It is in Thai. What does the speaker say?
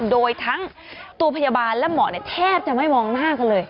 โดยทั้งตัวพยาบาลและหมอแทบจะไม่มองหน้ากันเลย